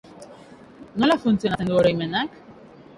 Nola funtzionatzen du oroimenak?